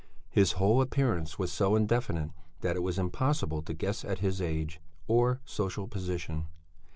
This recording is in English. His whole appearance was so indefinite that it was impossible to guess at his age or social position.